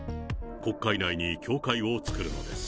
国会内に教会を作るのです。